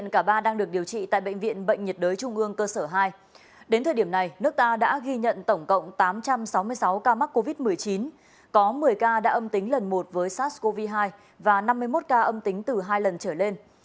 có một mươi ca đã âm tính lần một với sars cov hai và năm mươi một ca âm tính từ hai lần trở lên